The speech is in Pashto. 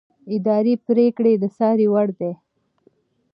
اداري پرېکړه د څار وړ ده.